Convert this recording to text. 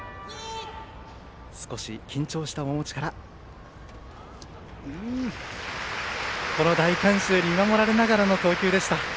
少し緊張した面持ちからこの大観衆に見守られながらの投球でした。